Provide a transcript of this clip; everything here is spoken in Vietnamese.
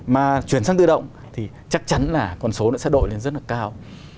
mà chuyển sang tự động thì chắc chắn là con số sẽ đội lên rất là cao